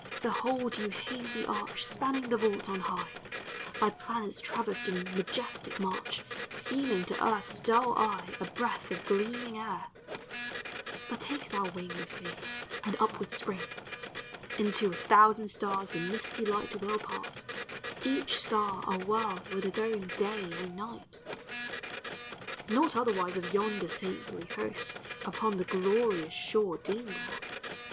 behold yon hazy arch Spanning the vault on high, By planets traversed in majestic march, Seeming to earth's dull eye A breath of gleaming air: but take thou wing Of Faith and upward spring: — Into a thousand stars the misty light Will part ; each star a world with its own day and night. .Not otherwise of yonder Saintly host Upon the glorious shore Deem thou.